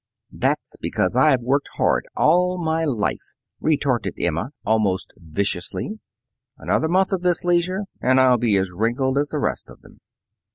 "That's because I've worked hard all my life," retorted Emma, almost viciously. "Another month of this leisure and I'll be as wrinkled as the rest of them."